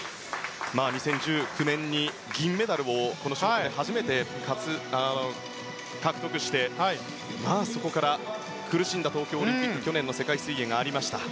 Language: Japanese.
２０１９年に銀メダルをこの種目で初めて獲得してそこから苦しんだ東京オリンピックと去年の世界水泳があった。